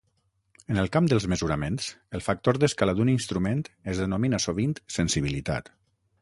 En el camp dels mesuraments, el factor d'escala d'un instrument es denomina sovint sensibilitat.